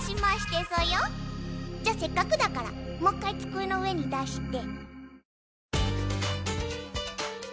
じゃせっかくだからもう一回机の上に出して。